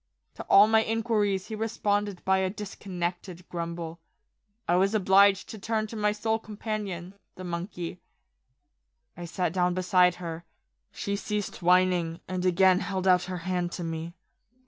To all my inquiries he responded by a dis connected grumble. I was obliged to turn to my sole companion, the monkey. I sat down beside her ; she ceased whining, and again held out her hand to me.